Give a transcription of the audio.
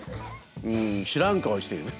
うん知らん顔してる。